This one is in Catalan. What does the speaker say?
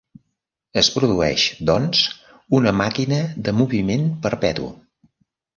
Es produeix, doncs, una màquina de moviment perpetu.